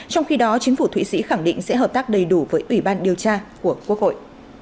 trong khi đó chính phủ thụy sĩ khẳng định sẽ hợp tác đầy đủ với ủy ban điều tra của quốc hội